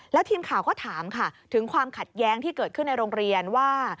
แล้วทีมข่าวก็ถามค่ะถึงความขัดแย้งที่เกิดขึ้นในโรงเรียนว่า